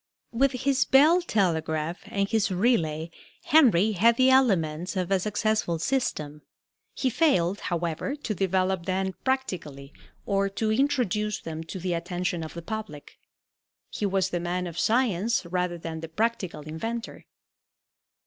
With his bell telegraph and his relay Henry had the elements of a successful system. He failed, however, to develop them practically or to introduce them to the attention of the public. He was the man of science rather than the practical inventor.